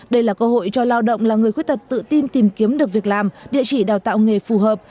đây là cơ hội cho lao động là người khuyết tật tự tin tìm kiếm được việc làm địa chỉ đào tạo nghề phù hợp